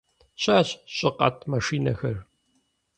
Щыӏэщ щӏыкъэтӏ машинэхэр.